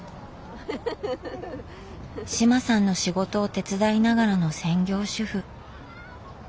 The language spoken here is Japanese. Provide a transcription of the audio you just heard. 志麻さんの仕事を手伝いながらの専業主夫。